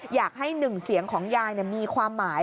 อยากให้หนึ่งเสียงของยายมีความหมาย